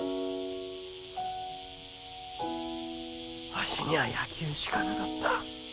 わしにゃあ野球しかなかった。